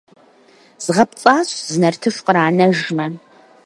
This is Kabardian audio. Згъэпцӏащ, зы нартыху къранэжмэ!